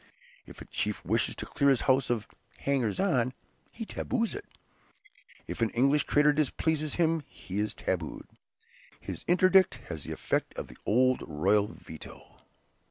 If a chief wishes to clear his house of hangers on, he taboos it; if an English trader displeases him he is tabooed. His interdict has the effect of the old royal "veto."